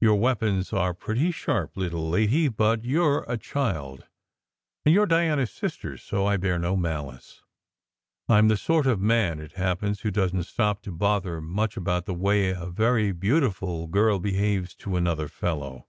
Your weapons are pretty sharp, little lady! But you re a child, and you re Diana s sister, so I bear no malice. I m the sort of man, it happens, who doesn t stop to bother much about the way a very beautiful girl behaves to another fellow.